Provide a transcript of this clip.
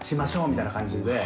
みたいな感じで。